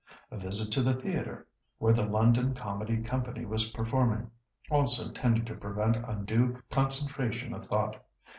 A visit to the theatre, where the London Comedy Company was performing, also tended to prevent undue concentration of thought.